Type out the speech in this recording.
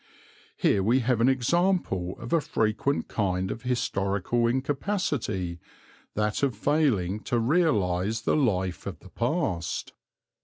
Here we have an example of a frequent kind of historical incapacity, that of failing to realize the life of the past.